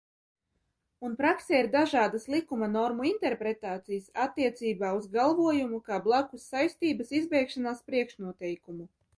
Un praksē ir dažādas likuma normu interpretācijas attiecībā uz galvojumu kā blakussaistības izbeigšanās priekšnoteikumu.